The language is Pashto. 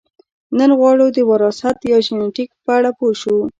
نن غواړو د وراثت یا ژنیتیک په اړه پوه شو